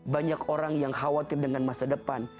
banyak orang yang khawatir dengan masa depan